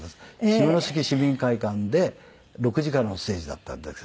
下関市民会館で６時からのステージだったんですけども。